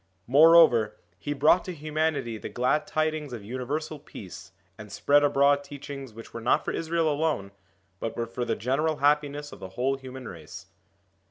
More over, he brought to humanity the glad tidings of universal peace, and spread abroad teachings which were not for Israel alone, but were for the general happiness of the whole human race.